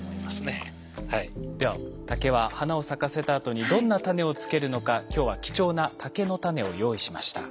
では竹は花を咲かせたあとにどんなタネをつけるのか今日は貴重な竹のタネを用意しました。